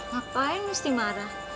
ngapain mesti marah